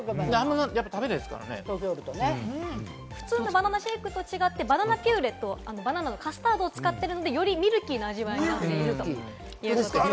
普通のバナナシェイクと違って、バナナピューレと、バナナのカスタードを使っているので、よりミルキーな味わいになっているということです。